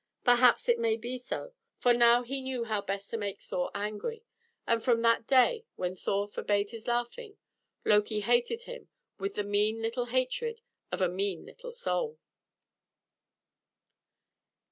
Perhaps it may be so, for now he knew how best to make Thor angry; and from that day when Thor forbade his laughing, Loki hated him with the mean little hatred of a mean little soul.